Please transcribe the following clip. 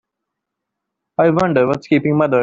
I wonder what's keeping mother?